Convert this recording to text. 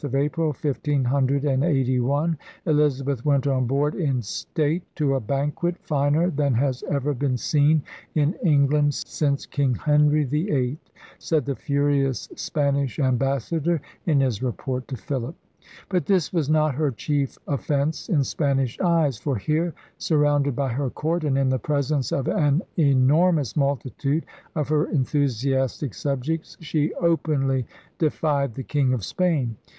Finally, on the 4th of April, 1581, Elizabeth went on board in state, to a banquet 'finer than has ever been seen in England since King Henry VIII,' said the furious Spanish am bassador in his report to Philip. But this was not her chief offence in Spanish eyes. For here, surrounded by her court, and in the presence of an enormous multitude of her enthusiastic sub jects, she openly defied the King of Spain.